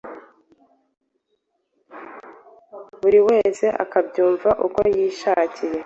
buri wese akabyumva uko yishakiye